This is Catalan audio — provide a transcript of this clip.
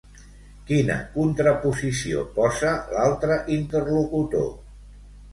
Quina contraposició posa l'altre interlocutor?